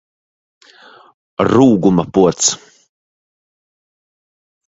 Rūguma pods!